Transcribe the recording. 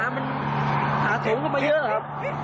มันหาถงกลับมาเยอะครับ